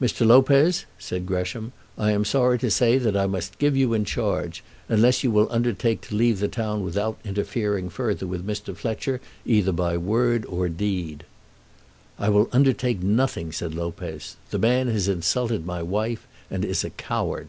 "Mr. Lopez," said Gresham. "I am sorry to say that I must give you in charge; unless you will undertake to leave the town without interfering further with Mr. Fletcher either by word or deed." "I will undertake nothing," said Lopez. "The man has insulted my wife, and is a coward."